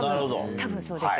多分そうです。